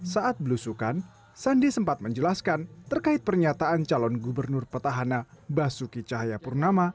saat belusukan sandi sempat menjelaskan terkait pernyataan calon gubernur petahana basuki cahayapurnama